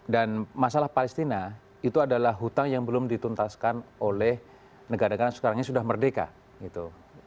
dan masalah palestina itu adalah hutang yang belum dituntaskan oleh negara negara yang sekarang sudah merdeka gitu